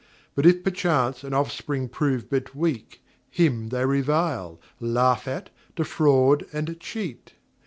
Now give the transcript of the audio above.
But if perchance an offspring prove but weak, Him they revile, laugh at, defraud and cheat.